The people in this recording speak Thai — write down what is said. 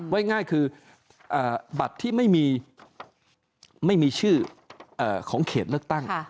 ง่ายคือบัตรที่ไม่มีชื่อของเขตเลือกตั้ง